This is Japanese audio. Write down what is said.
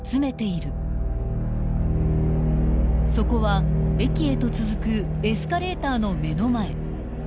［そこは駅へと続くエスカレーターの目の前］